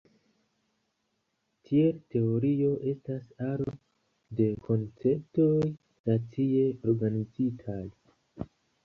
Tiel teorio estas aro de konceptoj racie organizitaj.